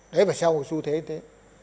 đấy là sao một xu thế thế